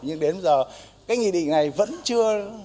nhưng đến giờ cái nghị định này vẫn chưa